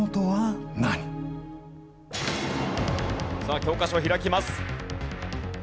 教科書を開きます。